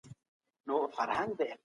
طبیعت سره مینه وکړئ.